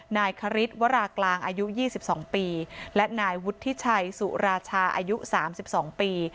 นายคริสวรากลางอายุ๒๒ปีและนายวุฒิชัยสุราชาอายุ๓๒ปี